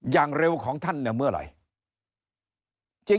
อย่างเร็วของท่านเนี่ยเมื่อไหร่